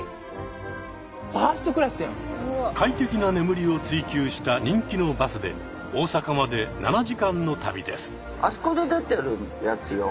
快適な眠りを追求した人気のバスで大阪まで７時間の旅です。